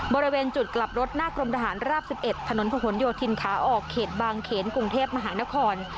บริเวณจุดกลับรถหน้ากรมทหารราบ๑๑ถนนผนโยธินขาออกเขตบางเขนกรุงเทพมหานคร